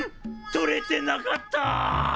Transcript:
とれてなかった！